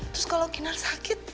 terus kalau kinar sakit